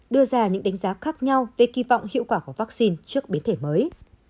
đưa ra những đánh giá khác nhau về kỳ vọng hiệu quả của vaccine trước biến thể mới